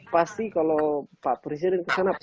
pasti kalau pak presiden kesana